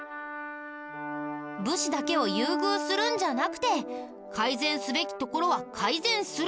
武士だけを優遇するんじゃなくて改善すべきところは改善する！